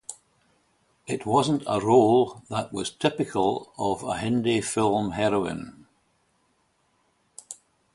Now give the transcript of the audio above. It wasn't a role that was typical of a Hindi film heroine.